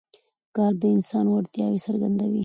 کار د انسان وړتیاوې څرګندوي